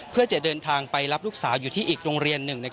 เพื่อจะเดินทางไปรับลูกสาวอยู่ที่อีกโรงเรียนหนึ่ง